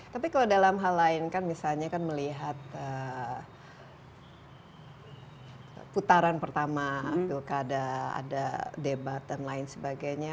tapi kalau dalam hal lain kan misalnya kan melihat putaran pertama pilkada ada debat dan lain sebagainya